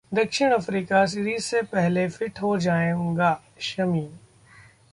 दक्षिण Africa series से पहले फिट हो जाउंगा: शमी